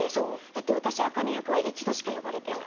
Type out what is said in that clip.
私あかね役は一度しか呼ばれてない。